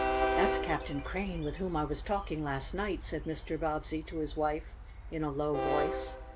"That's Captain Crane, with whom I was talking last night," said Mr. Bobbsey to his wife in a low voice.